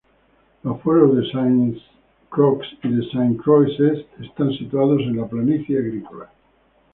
Los pueblos de Sainte-Croix y de Sainte-Croix-Est están situados en la planicie agrícola.